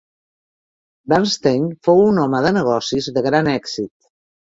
Bernstein fou un home de negocis de gran èxit.